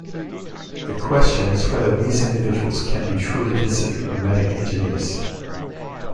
The question is whether these individuals can be truly considered memetic engineers.